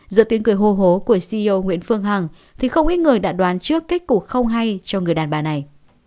giữa tiếng cười hô hố của ceo nguyễn phương hằng thì không ít người đã đoán trước kích cục không hay cho người đàn bà này